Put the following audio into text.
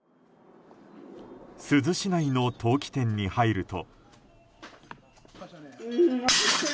珠洲市内の陶器店に入ると。